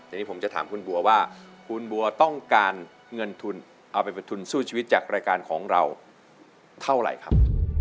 ทีนี้ผมจะถามคุณบัวว่าคุณบัวต้องการเงินทุนเอาไปเป็นทุนสู้ชีวิตจากรายการของเราเท่าไหร่ครับ